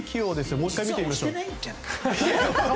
もう１回、見てみましょう。